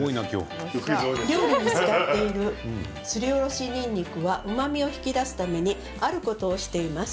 料理に使っているすりおろしにんにくはうまみを引き出すためにあることをしています。